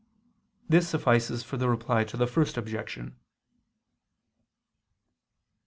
This suffices for the Reply to the First Objection.